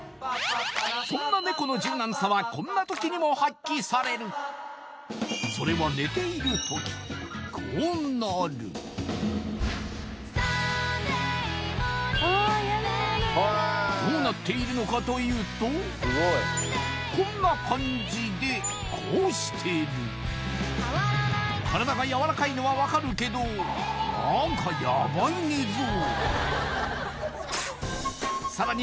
そんなネコの柔軟さはこんな時にも発揮されるそれは寝ている時こうなるどうなっているのかというとこんな感じでこうしてる体がやわらかいのは分かるけどなんかヤバい寝相さらに